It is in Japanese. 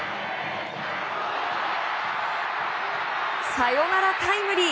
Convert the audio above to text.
サヨナラタイムリー！